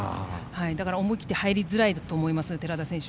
だから、思い切って入りづらいと思います、寺田選手。